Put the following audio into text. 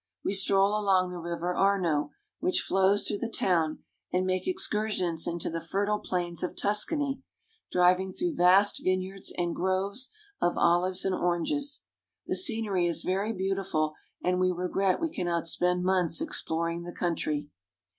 We stroll along the River Arno, which flows through the town, and make ex cursions into the fer tile plains of Tuscany, driving through vast vineyards and groves of olives and oranges. The scenery is very beautiful, and we re gret we cannot spend months exploring the country.